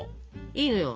いいのよ。